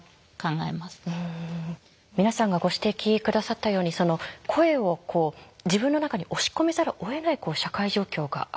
皆さんがご指摘下さったように声を自分の中に押し込めざるをえない社会状況がある。